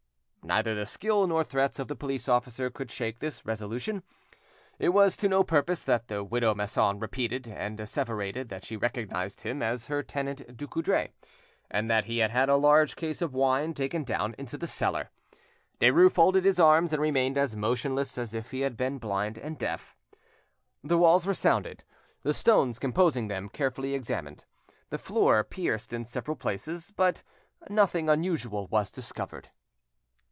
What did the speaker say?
Neither the skill nor threats of the police officer could shake this resolution. It was to no purpose that the widow Masson repeated and asseverated that she recognised him as her tenant Ducoudray, and that he had had a large case of wine taken down into the cellar; Derues folded his arms, and remained as motionless as if he had been blind and deaf. The walls were sounded, the stones composing them carefully examined, the floor pierced in several places, but nothing unusual was discovered.